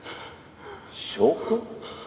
証拠？